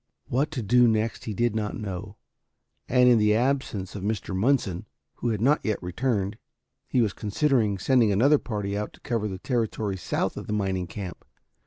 What to do next he did not know, and in the absence of Mr. Munson, who had not yet returned, he was considering sending another party out to cover the territory south of the mining camp.